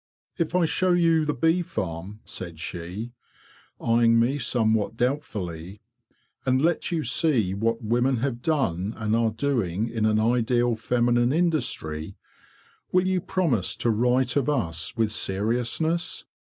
'Tf I show you the bee farm,'' said she, eyeing me somewhat doubtfully, '' and let you see what women have done and are doing in an ideal feminine industry, will you promise to write of us with seriousness?